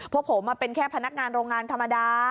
พวกผมเป็นแค่พนักงานโรงงานธรรมดา